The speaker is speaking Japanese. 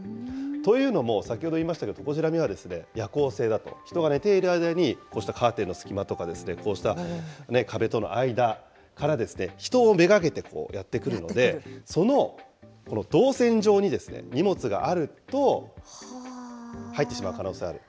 というのも、先ほど言いましたけど、トコジラミは夜行性だと、人が寝ている間にこうしたカーテンの隙間とか、こうした壁との間から人を目がけてやって来るので、その動線上に荷物があると、入ってしまう可能性がある。